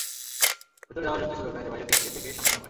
ভেতরে যাওয়ার যেহেতু সুযোগ নেই, তাই বাইরে থেকে দেখেই সান্ত্বনা পাই।